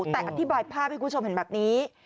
แต่อธิบายภาพให้คุณผู้ชมเห็นแบบนี้